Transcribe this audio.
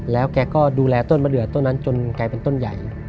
แล้วแกก็ดูแลต้นมะเดือต้นนั้นจนกลายเป็นต้นใหญ่